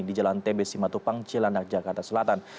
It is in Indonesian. di jalan tbc matupang cilandak jakarta selatan